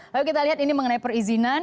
lalu kita lihat ini mengenai perizinan